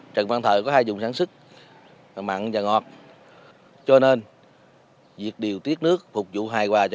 trần văn thời có hai dùng sản xuất mặn và ngọt cho nên việc điều tiết nước phục vụ hài hòa cho